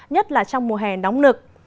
nhất là trong mùa hè nóng nực